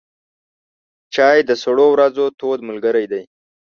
چای د سړو ورځو تود ملګری دی.